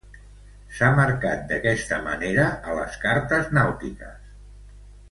S'ha marcat d'aquesta manera a les cartes nàutiques.